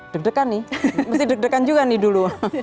deg degan nih mesti deg degan juga nih dulu